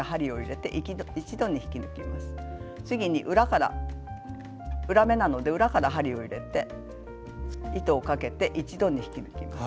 次に裏から裏目なので裏から針を入れて糸をかけて一度に引き抜きます。